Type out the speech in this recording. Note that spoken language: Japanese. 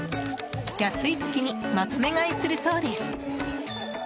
安い時にまとめ買いするそうです。